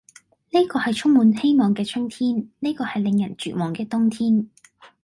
呢個係充滿希望嘅春天，呢個係令人絕望嘅冬天，